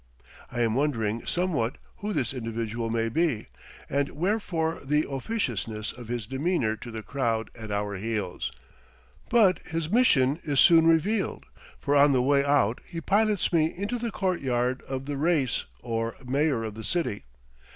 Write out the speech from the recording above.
I am wondering somewhat who this individual may be, and wherefore the officiousness of his demeanor to the crowd at our heels; but his mission is soon revealed, for on the way out he pilots me into the court yard of the Reis, or mayor of the city.